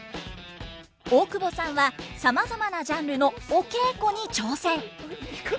大久保さんはさまざまなジャンルのお稽古に挑戦。